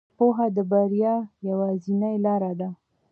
پوهه د بریا یوازینۍ لاره ده.